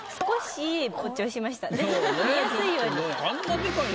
見やすいように。